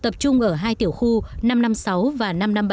tập trung ở hai tiểu khu năm trăm năm mươi sáu và năm trăm năm mươi bảy